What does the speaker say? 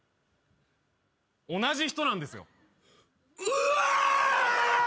同じ人なんですよ。えーっ！？